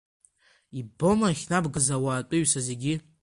Иббома иахьнабгаз ауаатәыҩса зегьы?!